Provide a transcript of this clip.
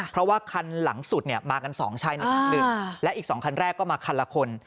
เพราะว่าคันหลังสุดมากันสองช่ายหนึ่งและอีกสองคันแรกก็มาคันละคน